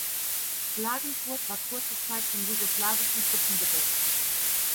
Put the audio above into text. Klagenfurt war kurze Zeit von jugoslawischen Truppen besetzt.